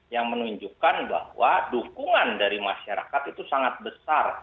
yang menunjukkan bahwa dukungan dari masyarakat itu sangat besar